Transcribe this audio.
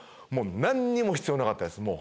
もう何にも必要なかったです